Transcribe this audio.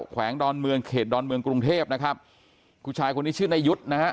แวงดอนเมืองเขตดอนเมืองกรุงเทพนะครับผู้ชายคนนี้ชื่อนายุทธ์นะฮะ